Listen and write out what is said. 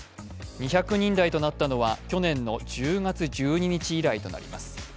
２００人台となったのは去年の１０月１２日以来となります。